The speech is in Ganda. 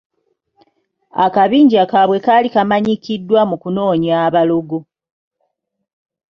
Akabinja kaabwe kaali kamanyikiddwa mu kunoonya abalogo.